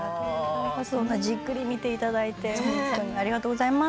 そんなじっくり見ていただいてありがとうございます。